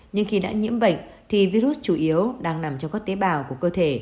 nhưng khi đã nhiễm bệnh thì virus chủ yếu đang nằm trong các tế bào của cơ thể